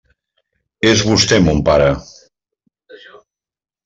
És vostè mon pare.